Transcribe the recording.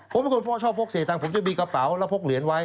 ผมเป็นคนพ่อชอบพกเสียตังค์ผมจะมีกระเป๋าแล้วพกเหรียญไว้